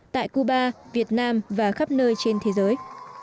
tại cuba việt nam và khắp nơi trên thế giới